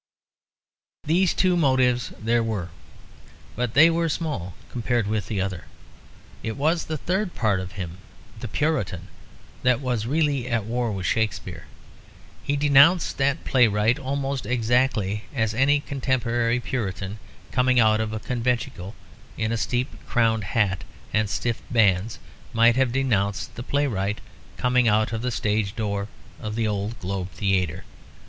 These two motives there were, but they were small compared with the other. It was the third part of him, the Puritan, that was really at war with Shakespeare. He denounced that playwright almost exactly as any contemporary Puritan coming out of a conventicle in a steeple crowned hat and stiff bands might have denounced the playwright coming out of the stage door of the old Globe Theatre.